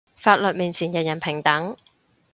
法律面前人人平等